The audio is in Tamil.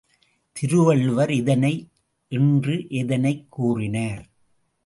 திருவள்ளுவர் இதனை என்று எதனைக் கூறினார்?